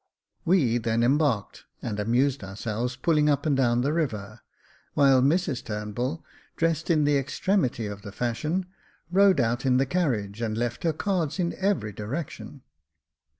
We then embarked, and amused ourselves pulling up and down the river, while Mrs Turnbull, dressed in the extremity of the fashion, rode out in the carriage and left her cards in every direction.